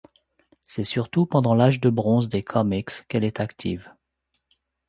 C'est surtout pendant l'âge de bronze des comics qu'elle est active.